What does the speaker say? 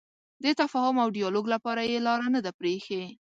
د تفاهم او ډیالوګ لپاره یې لاره نه ده پرېښې.